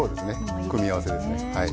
組み合わせですね。